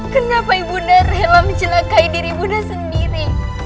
kenapa ibu nanda rela mencelakai diri ibu nanda sendiri